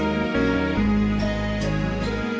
ผมคิดว่านาย